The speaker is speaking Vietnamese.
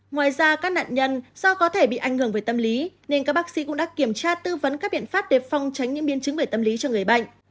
ngoài ra các nạn nhân do có thể bị ảnh hưởng về tâm lý nên các bác sĩ cũng đã kiểm tra tư vấn các biện pháp để phong tránh những biên chứng về tâm lý cho người bệnh